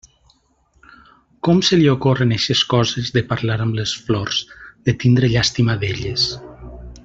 Com se li ocorren eixes coses de parlar amb les flors, de tindre llàstima d'elles?